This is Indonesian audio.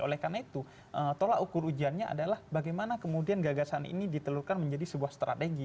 oleh karena itu tolak ukur ujiannya adalah bagaimana kemudian gagasan ini ditelurkan menjadi sebuah strategi